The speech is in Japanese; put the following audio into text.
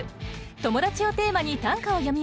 「友達」をテーマに短歌を詠みました。